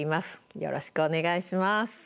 よろしくお願いします。